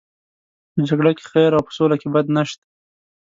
په جګړه کې خیر او په سوله کې بد نشته.